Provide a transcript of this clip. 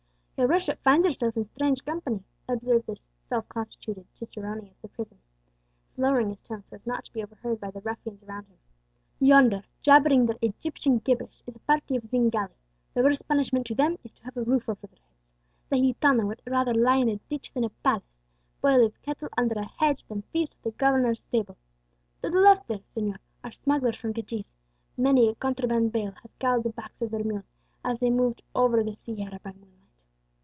"Your worship finds yourself in strange company," observed this self constituted cicerone of the prison, lowering his tone so as not to be overheard by the ruffians around him. "Yonder, jabbering their Egyptian gibberish, is a party of Zingali: the worst punishment to them is to have a roof over their heads; the Gitano would rather lie in a ditch than a palace, boil his kettle under a hedge than feast at the governor's table. To the left there, señor, are smugglers from Cadiz; many a contraband bale has galled the backs of their mules as they moved over the sierra by moonlight.